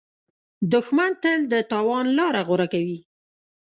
دښمن تل د تاوان لاره غوره کوي